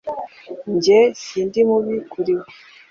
Njye sindi mubi kuri we